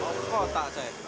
mau ke kota